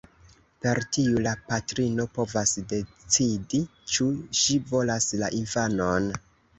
Per tiu la patrino povas decidi, ĉu ŝi volas la infanon.